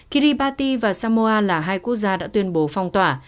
kiribati và samoa là hai quốc gia đã tuyên bố phong tỏa